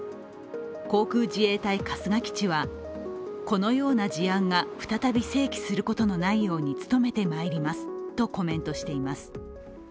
航空自衛隊春日基地は、このような事案が再び生起することのないように努めてまいりますとコメントしています。